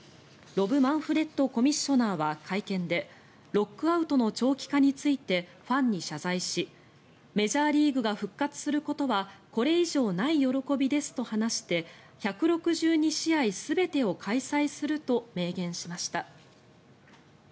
ロブ・マンフレッドコミッショナーは会見でロックアウトの長期化についてファンに謝罪しメジャーリーグが復活することはこれ以上ない喜びですと話して１６２試合全てを開催すると明言しました。